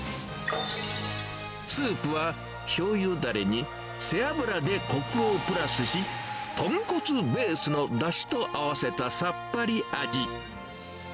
スープはしょうゆだれに、背脂でこくをプラスし、豚骨ベースのだしと合わせたさっぱり味。